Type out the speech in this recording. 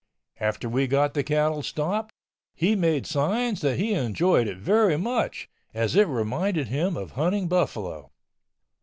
After we got the cattle stopped, he made signs that he enjoyed it very much, as it reminded him of hunting buffalo.